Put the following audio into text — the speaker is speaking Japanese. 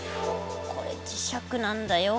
これ磁石なんだよ。